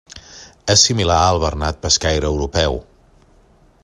És similar al bernat pescaire europeu.